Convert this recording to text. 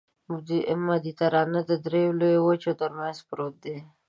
مدیترانه د دریو لویو وچو ترمنځ پروت دی.